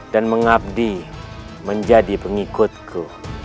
dan mengabdi menjadi pengikutku